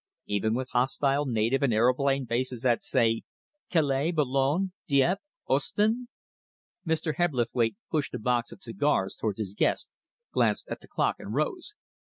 "Even with hostile naval and aeroplane bases at say Calais, Boulogne, Dieppe, Ostend?" Mr. Hebblethwaite pushed a box of cigars towards his guest, glanced at the clock, and rose.